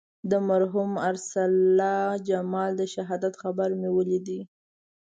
د مرحوم ارسلا جمال د شهادت خبر مې ولید.